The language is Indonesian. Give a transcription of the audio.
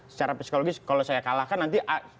secara psikologis kalau saya kalahkan nanti akan berubah